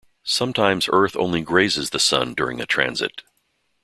Sometimes Earth only grazes the Sun during a transit.